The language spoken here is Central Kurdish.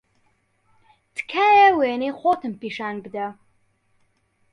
تکایە وێنەی خۆتم پیشان بدە.